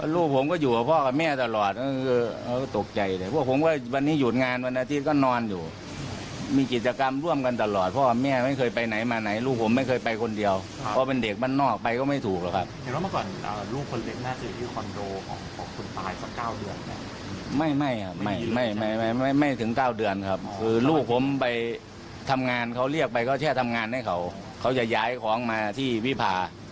ทำงานเขาเรียกไปก็แค่ทำงานให้เขาเขาจะย้ายของมาที่วิพา